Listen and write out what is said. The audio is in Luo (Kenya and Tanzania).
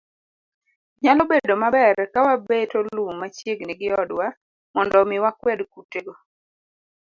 Nyalo bedo maber ka wabeto lum machiegni gi odwa mondo omi wakwed kutego.